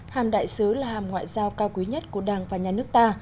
hàm đại sứ là hàm ngoại giao cao quý nhất của đảng và nhà nước ta